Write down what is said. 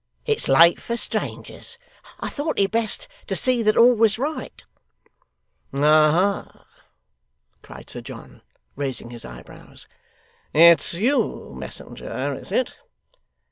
It's late for strangers. I thought it best to see that all was right.' 'Aha!' cried Sir John, raising his eyebrows. 'It's you, messenger, is it?